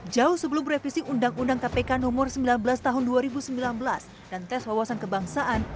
jauh sebelum revisi undang undang kpk nomor sembilan belas tahun dua ribu sembilan belas dan tes wawasan kebangsaan